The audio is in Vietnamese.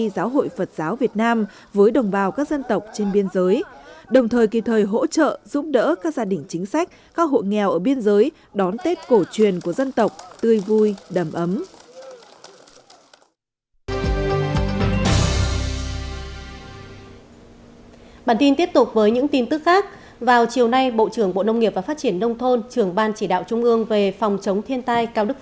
giáo hội phật giáo tỉnh điện biên đã phối hợp với quỹ từ tâm ngân hàng cổ phần quốc dân tập đoàn vingroup